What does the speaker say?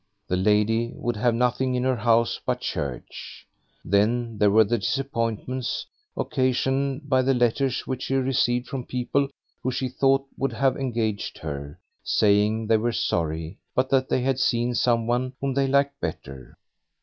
The lady would have nothing in her house but church. Then there were the disappointments occasioned by the letters which she received from people who she thought would have engaged her, saying they were sorry, but that they had seen some one whom they liked better.